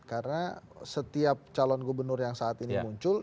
karena setiap calon gubernur yang saat ini muncul